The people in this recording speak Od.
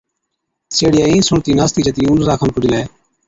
سيهڙِيئَي اِين سُڻتِي ناستِي جتِي اُونڏرا کن پُجلَي،